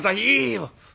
いいよ。